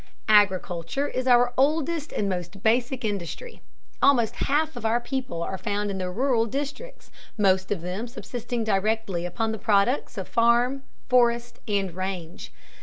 Agriculture is our oldest and most basic industry. Almost half of our people are found in the rural districts, most of them subsisting directly upon the products of farm, forest, and range.